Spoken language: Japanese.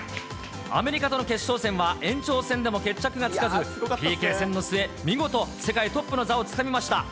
アメリカとの決勝戦は延長戦でも決着がつかず、ＰＫ戦の末、見事、世界トップの座をつかみました。